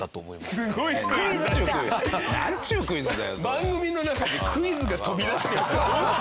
番組の中でクイズが飛び出してるってどういう事？